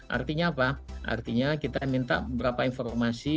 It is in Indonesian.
artinya apa artinya kita minta beberapa informasi